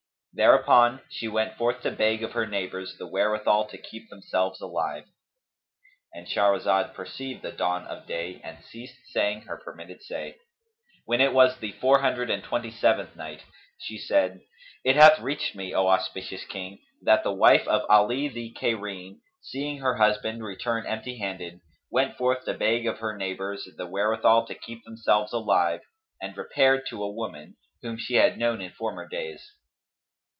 Thereupon she went forth to beg of her neighbours the wherewithal to keep themselves alive,—And Shahrazad perceived the dawn of day and ceased saying her permitted say. When it was the Four Hundred and Twenty seventh Night, She said, It hath reached me, O auspicious King, that the wife of Ali the Cairene, seeing her husband return empty handed, went forth to beg of her neighbours the wherewithal to keep themselves alive and repaired to a woman, whom she had known in former days.